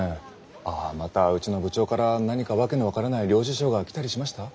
あまたうちの部長から何か訳の分からない領収書が来たりしました？